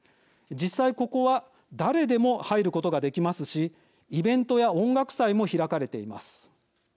実際、ここは誰でも入ることができますしイベントや音楽祭も開かれています。